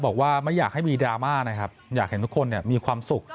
บอกว่าไม่อยากให้มีดราม่านะครับอยากเห็นทุกคนมีความสุข